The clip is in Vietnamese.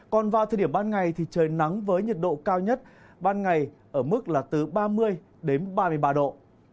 còn vào thời điểm ban ngày thì trời nắng với nhiệt độ cao nhất ban ngày ở mức là từ ba mươi đến ba mươi ba độ